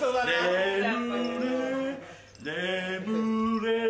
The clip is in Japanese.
眠れ眠れ